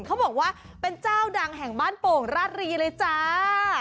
เขาบอกว่าเป็นเจ้าดังแห่งบ้านโป่งราชรีเลยจ้า